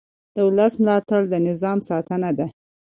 د ولس ملاتړ د نظام ستنه ده